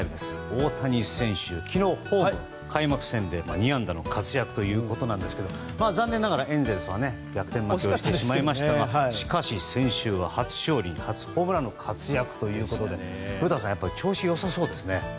大谷選手、昨日ホームの開幕戦で２安打の活躍ということなんですけど残念ながらエンゼルスは逆転負けをしてしまいましたがしかし、先週は初勝利初ホームランの活躍ということで古田さん、やっぱり調子良さそうですね。